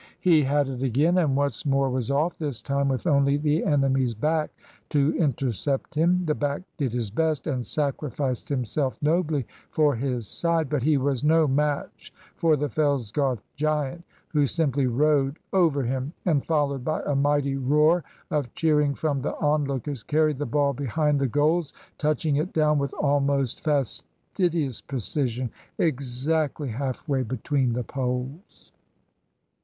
He had it again, and once more was off, this time with only the enemy's back to intercept him. The back did his best, and sacrificed himself nobly for his side, but he was no match for the Fellsgarth giant, who simply rode over him, and followed by a mighty roar of cheering from the onlookers, carried the ball behind the goals, touching it down with almost fastidious precision exactly half way between the poles.